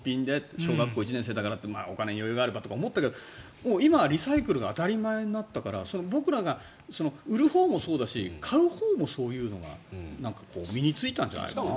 新品で小学校１年生だからってお金に余裕があればとか思ったけど今はリサイクルが当たり前になったから僕らが売るほうもそうだし買うほうもそういうのが身に着いたんじゃないかな。